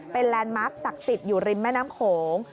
เป็นแลนด์มาร์คศักดิ์สิทธิ์อยู่ริมแม่น้ำโขง